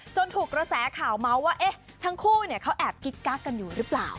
จนถูกระแสข่าวมัวว่าเอ๊ะทั้งคู่เนี่ยเขาแอบกิ๊กก๊ากกันอยู่รึเปล่า